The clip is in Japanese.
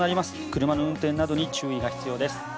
車の運転などに注意が必要です。